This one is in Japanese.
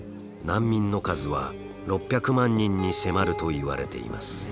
難民の数は６００万人に迫るといわれています。